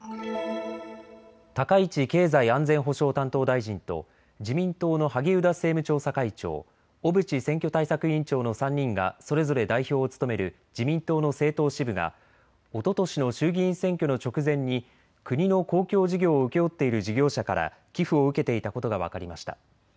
高市経済安全保障担当大臣と自民党の萩生田政務調査会長、小渕選挙対策委員長の３人がそれぞれ代表を務める自民党の政党支部がおととしの衆議院選挙の直前に国の公共事業を請け負っている事業者から寄付を受けていたことが分かりました。